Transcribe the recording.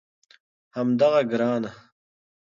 همدغه ګرانه